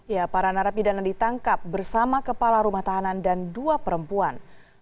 ya para narapidana ditangkap bersama kepala rumah tahanan dan dua perempuan